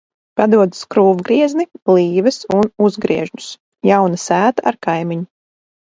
Padod skrūvgriezni, blīves un uzgriežņus! Jauna sēta ar kaimiņu.